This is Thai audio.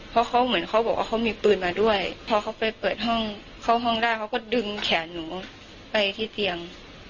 เพราะเขาเหมือนเขาบอกว่าเขามีปืนมาด้วยพอเขาไปเปิดห้องเข้าห้องได้เขาก็ดึงแขนหนูไปที่เตียง